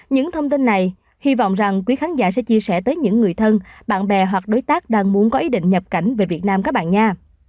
những thông tin này hy vọng rằng quý khán giả sẽ chia sẻ tới những người thân bạn bè hoặc đối tác đang muốn có ý định nhập cảnh về việt nam các bạn nga